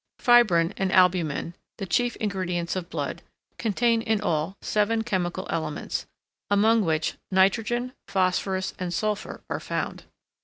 Fibrine and albumen, the chief ingredients of blood, contain, in all, seven chemical elements, among which nitrogen, phosphorus, and sulphur are found.